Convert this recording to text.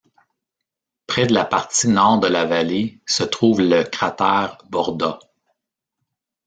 Près de la partie nord de la vallée se trouve le cratère Borda.